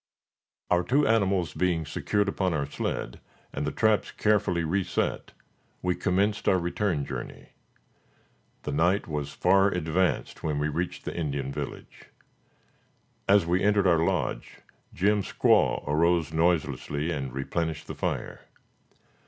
Our two animals being secured upon our sled, and the traps carefully reset, we commenced our return journey. The night was far advanced when we reached the Indian village. As we entered our lodge, Jim's squaw arose noiselessly and replenished the fire.